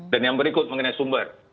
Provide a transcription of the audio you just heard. dan yang berikut mengenai sumber